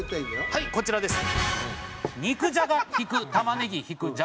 はいこちらです。